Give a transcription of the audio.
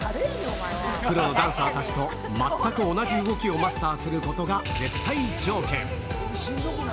プロのダンサーたちと、全く同じ動きをマスターすることが絶対条件。